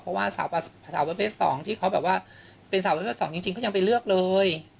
เพราะว่าสาวประเภท๒ที่เขาแบบว่าเป็นสาวประเภท๒จริงเขายังไปเลือกเลย